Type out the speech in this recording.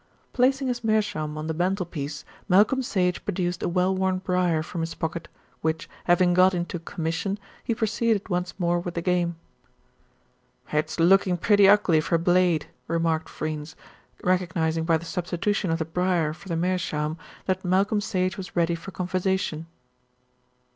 Placing his meerschaum on the mantelpiece, Malcolm Sage produced a well worn briar from his pocket, which, having got into commission, he proceeded once more with the game. "It's looking pretty ugly for Blade," remarked Freynes, recognising by the substitution of the briar for the meerschaum that Malcolm Sage was ready for conversation.